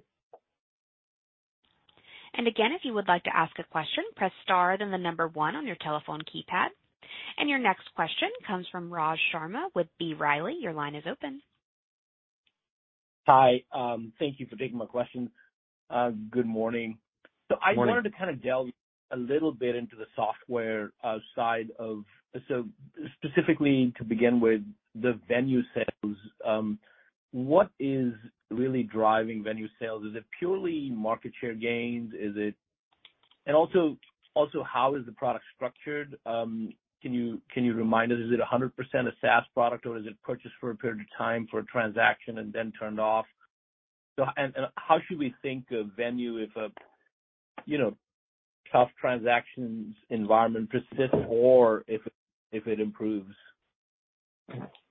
Again, if you would like to ask a question, press star, then the number one on your telephone keypad. Your next question comes from Raj Sharma with B. Riley. Your line is open. Hi. Thank you for taking my question. Good morning. Good morning. I wanted to kind of delve a little bit into the software, side of. Specifically to begin with the Venue sales, what is really driving Venue sales? Is it purely market share gains? Is it? How is the product structured? Can you remind us, is it 100% a SaaS product, or is it purchased for a period of time for a transaction and then turned off? How should we think of Venue if a, you know, tough transactions environment persists or if it improves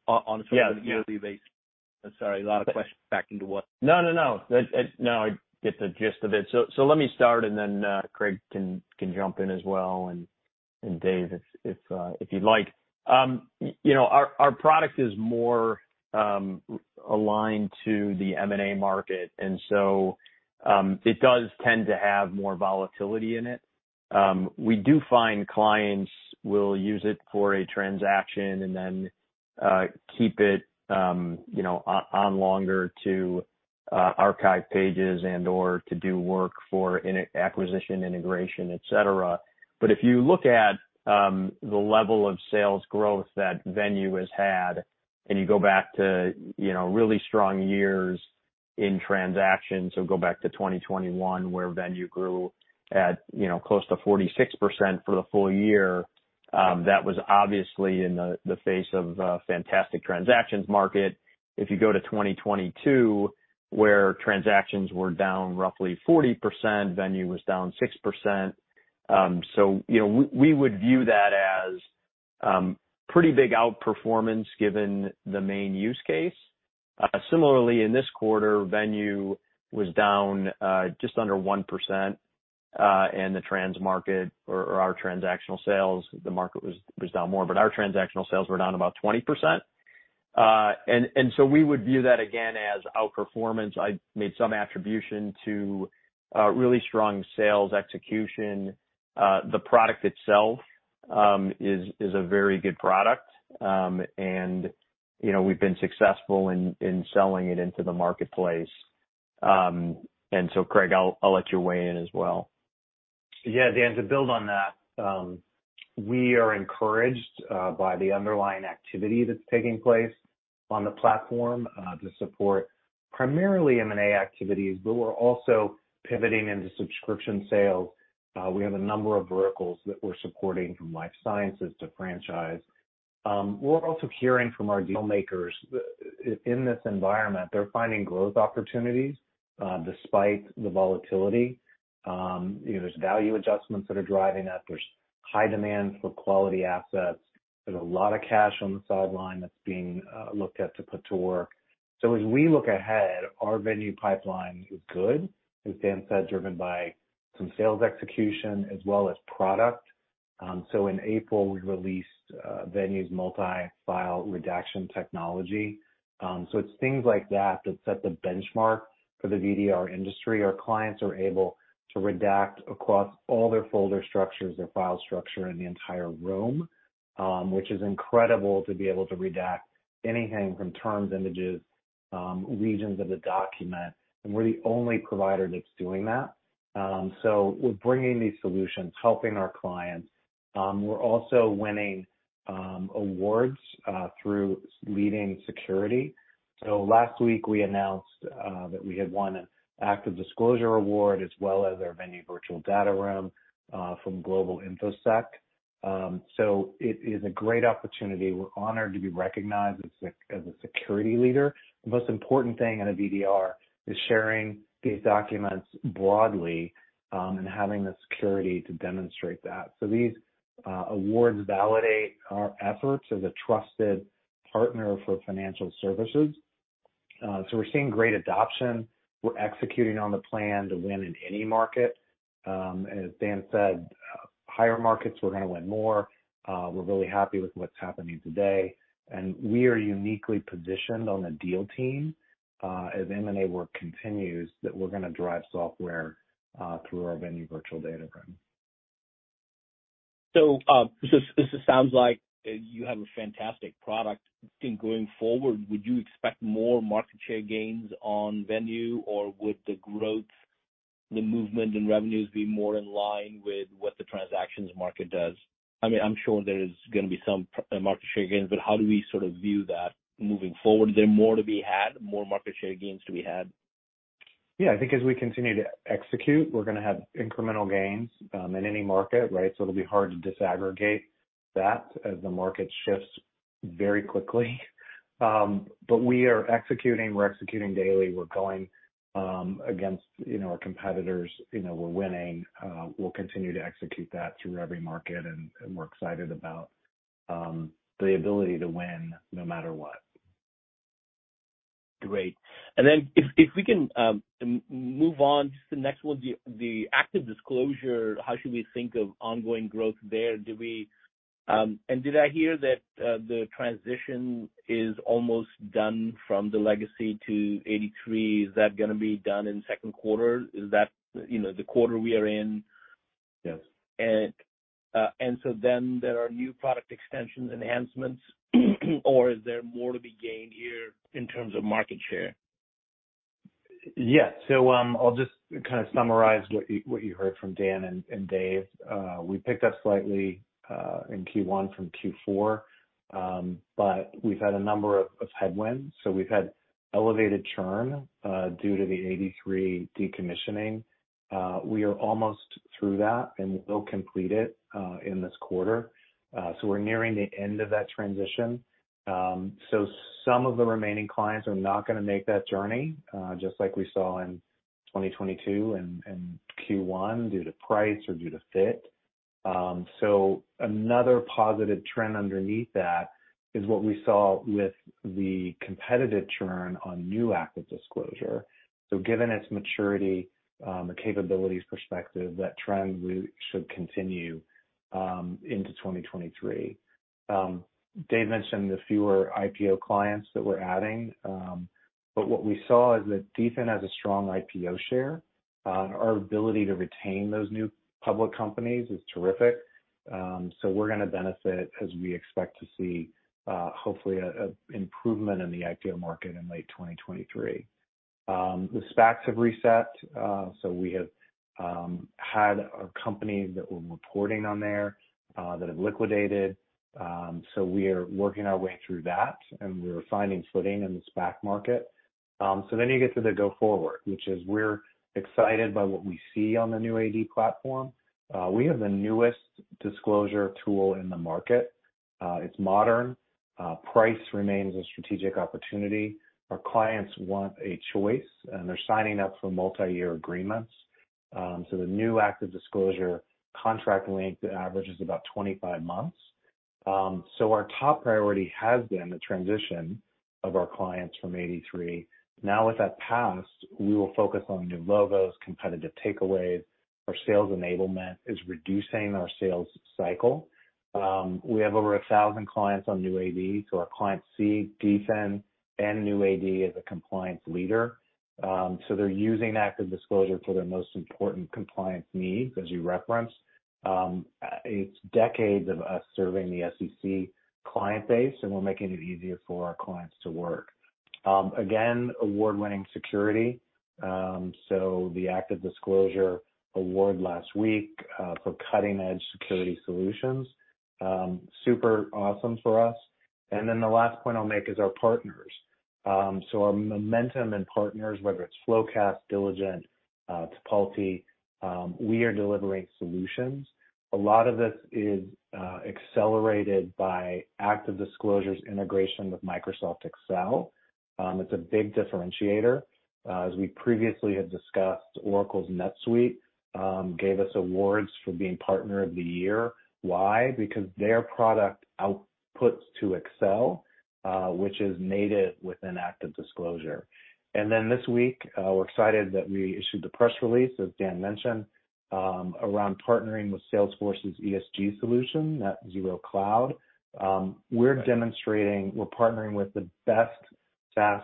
on sort of a yearly basis? Yeah. Sorry, a lot of questions packed into one. No, no. No, I get the gist of it. Let me start and then Craig can jump in as well, and Dave, if you'd like. Our product is more aligned to the M&A market. It does tend to have more volatility in it. We do find clients will use it for a transaction and then keep it on longer to archive pages and/or to do work for acquisition integration, et cetera. If you look at the level of sales growth that Venue has had, and you go back to, you know, really strong years in transactions, so go back to 2021, where Venue grew at, you know, close to 46% for the full year, that was obviously in the face of a fantastic transactions market. If you go to 2022, where transactions were down roughly 40%, Venue was down 6%. So, you know, we would view that as pretty big outperformance given the main use case. Similarly, in this quarter, Venue was down just under 1%, and the trans market or our transactional sales, the market was down more, but our transactional sales were down about 20%. So we would view that again as outperformance. I made some attribution to, really strong sales execution. The product itself, is a very good product. You know, we've been successful in selling it into the marketplace. Craig, I'll let you weigh in as well. Yeah, Dan, to build on that, we are encouraged by the underlying activity that's taking place on the platform to support primarily M&A activities, we're also pivoting into subscription sales. We have a number of verticals that we're supporting from life sciences to franchise. We're also hearing from our deal makers in this environment, they're finding growth opportunities despite the volatility. You know, there's value adjustments that are driving that. There's high demand for quality assets. There's a lot of cash on the sideline that's being looked at to put to work. As we look ahead, our Venue pipeline is good, as Dan said, driven by some sales execution as well as product. In April, we released Venue's multi-file redaction technology. It's things like that that set the benchmark for the VDR industry. Our clients are able to redact across all their folder structures, their file structure in the entire room, which is incredible to be able to redact anything from terms, images, regions of the document. We're the only provider that's doing that. We're bringing these solutions, helping our clients. We're also winning awards through leading security. Last week we announced that we had won an ActiveDisclosure award, as well as our Venue virtual data room from Global InfoSec. It is a great opportunity. We're honored to be recognized as a security leader. The most important thing in a VDR is sharing these documents broadly and having the security to demonstrate that. These awards validate our efforts as a trusted partner for financial services. We're seeing great adoption. We're executing on the plan to win in any market. As Dan said, higher markets, we're gonna win more. We're really happy with what's happening today, and we are uniquely positioned on the deal team, as M&A work continues, that we're gonna drive software through our Venue virtual data room. It sounds like you have a fantastic product. Going forward, would you expect more market share gains on Venue, or would the growth, the movement in revenues be more in line with what the transactions market does? I mean, I'm sure there is gonna be some market share gains, but how do we sort of view that moving forward? Is there more to be had, more market share gains to be had? I think as we continue to execute, we're gonna have incremental gains, in any market, right? It'll be hard to disaggregate that as the market shifts very quickly. We are executing. We're executing daily. We're going, against, you know, our competitors. You know, we're winning. We'll continue to execute that through every market, and we're excited about the ability to win no matter what. Great. If we can move on to the next one. The ActiveDisclosure, how should we think of ongoing growth there? Did I hear that the transition is almost done from the legacy to AD3? Is that gonna be done in second quarter? Is that, you know, the quarter we are in? Yes. There are new product extensions enhancements, or is there more to be gained here in terms of market share? Yes. I'll just kind of summarize what you, what you heard from Dan and Dave. We picked up slightly in Q1 from Q4. But we've had a number of headwinds. We've had elevated churn due to the AD3 decommissioning. We are almost through that, and we will complete it in this quarter. We're nearing the end of that transition. Some of the remaining clients are not gonna make that journey, just like we saw in 2022 and Q1, due to price or due to fit. Another positive trend underneath that is what we saw with the competitive churn on new ActiveDisclosure. Given its maturity, and capabilities perspective, that trend really should continue into 2023. Dave mentioned the fewer IPO clients that we're adding. What we saw is that DFIN has a strong IPO share. Our ability to retain those new public companies is terrific. We're going to benefit as we expect to see a improvement in the IPO market in late 2023. The SPACs have reset, we have had a company that we're reporting on there that have liquidated. We are working our way through that, and we're finding footing in the SPAC market. You get to the go forward, which is we're excited by what we see on the new AD platform. We have the newest disclosure tool in the market. It's modern. Price remains a strategic opportunity. Our clients want a choice, and they're signing up for multi-year agreements. The new ActiveDisclosure contract length averages about 25 months. Our top priority has been the transition of our clients from AD3. Now, with that passed, we will focus on new logos, competitive takeaways. Our sales enablement is reducing our sales cycle. We have over 1,000 clients on new AD, our clients see DFIN and new AD as a compliance leader. They're using ActiveDisclosure for their most important compliance needs, as you referenced. It's decades of us serving the SEC client base, and we're making it easier for our clients to work. Again, award-winning security. The ActiveDisclosure award last week, for cutting-edge security solutions, super awesome for us. The last point I'll make is our partners. Our momentum and partners, whether it's FloQast, Diligent, Tipalti, we are delivering solutions. A lot of this is accelerated by ActiveDisclosure's integration with Microsoft Excel. It's a big differentiator. As we previously had discussed, Oracle's NetSuite gave us awards for being Partner of the Year. Why? Because their product outputs to Excel, which is native within ActiveDisclosure. This week, we're excited that we issued the press release, as Dan mentioned, around partnering with Salesforce's ESG solution, Net Zero Cloud. We're demonstrating we're partnering with the best SaaS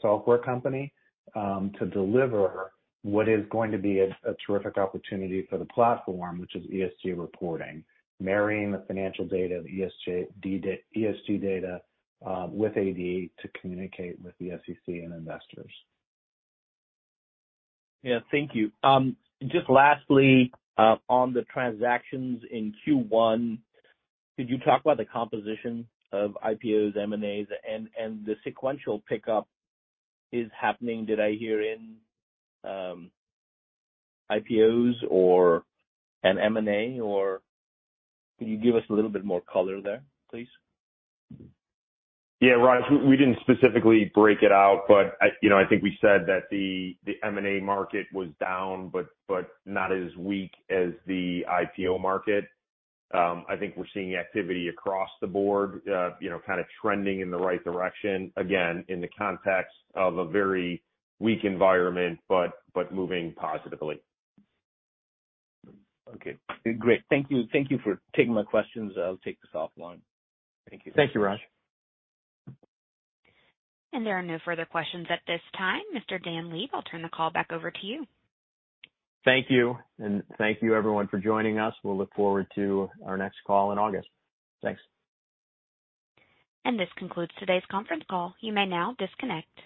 software company to deliver what is going to be a terrific opportunity for the platform, which is ESG reporting, marrying the financial data, the ESG data with AD to communicate with the SEC and investors. Yeah. Thank you. Just lastly, on the transactions in Q1, could you talk about the composition of IPOs, M&As, and the sequential pickup is happening, did I hear, in IPOs or an M&A, or can you give us a little bit more color there, please? Yeah, Raj, we didn't specifically break it out. I, you know, I think we said that the M&A market was down, but not as weak as the IPO market. I think we're seeing activity across the board, you know, kind of trending in the right direction, again, in the context of a very weak environment, but moving positively. Okay, great. Thank you. Thank you for taking my questions. I'll take this offline. Thank you. Thank you, Raj. There are no further questions at this time. Mr. Dan Leib, I'll turn the call back over to you. Thank you, and thank you everyone for joining us. We'll look forward to our next call in August. Thanks. This concludes today's conference call. You may now disconnect.